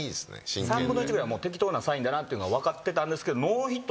３分の１ぐらいは適当なサインだなっていうのが分かってたんですけど。